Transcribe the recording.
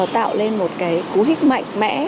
tạo lên một cú hít mạnh mẽ